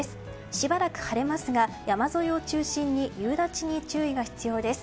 しばらく晴れますが山沿いを中心に夕立に注意が必要です。